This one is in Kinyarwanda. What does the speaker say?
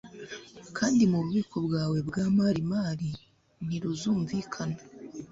Kandi mu bubiko bwawe bwa marimari ntiruzumvikana